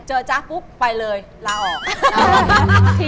จ๊ะปุ๊บไปเลยลาออก